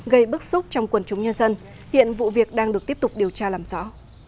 gây bức xúc trong quần chúng nhân dân hiện vụ việc đang được tiếp tục điều tra làm rõ